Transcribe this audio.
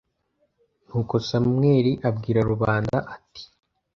nuko samweli abwira rubanda, ati